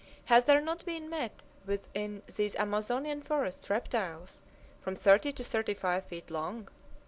Have there not been met with in these Amazonian forests reptiles from thirty to thirty five feet long?